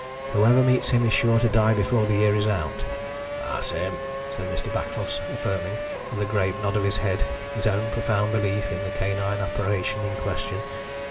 Whoever meets him is sure to die before the year is out." "That's him," said Mr. Backlos, affirming, with a grave nod of his head, his own profound belief in the canine apparition in question.